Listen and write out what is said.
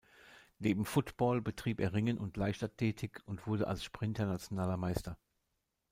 Neben Football betrieb er Ringen und Leichtathletik und wurde als Sprinter nationaler Meister.